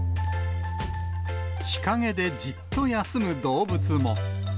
日陰でじっと休む動物も。